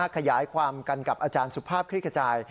ขยายความกันกับอาจารย์สุภาพคลิกขจาย